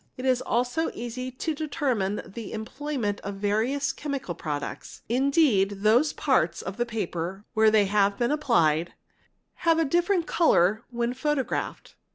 It is also easy to determine the employment of various chemical products ; indeed those parts of the paper where they have been applied, have a different colour when photographed.